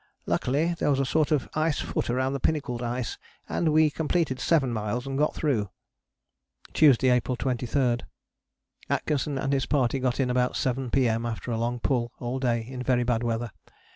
Luckily there was a sort of ice foot around the Pinnacled Ice and we completed seven miles and got through." Tuesday, April 23. "Atkinson and his party got in about 7 P.M. after a long pull all day in very bad weather.